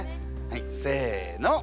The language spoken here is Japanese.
はいせの！